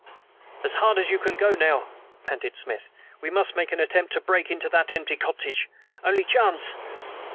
"As hard as you can go now," panted Smith. "We must make an attempt to break into the empty cottage. Only chance."